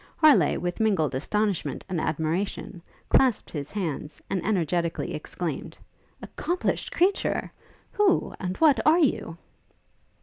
Harleigh, with mingled astonishment and admiration, clasped his hands, and energetically exclaimed, 'Accomplished creature! who ... and what are you?'